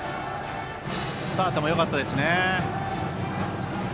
スタートもよかったですね。